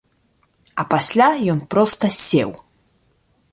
А пасля ён проста сеў.